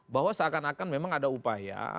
bahwa seakan akan memang ada upaya